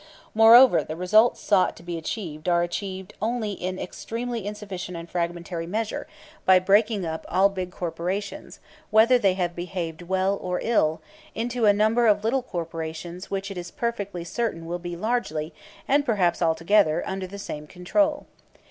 Moreover, the results sought to be achieved are achieved only in extremely insufficient and fragmentary measure by breaking up all big corporations, whether they have behaved well or ill, into a number of little corporations which it is perfectly certain will be largely, and perhaps altogether, under the same control.